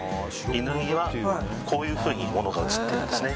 犬にはこういうふうに物が映ってるんですね。